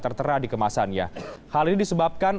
tertera di kemasannya hal ini disebabkan